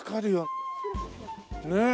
ねえ。